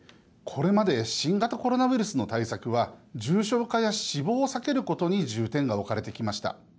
これまで新型コロナウイルスの対策は重症化や死亡を避けることに重点が置かれてきました。